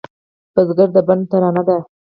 بزګر د بڼ ترانه ده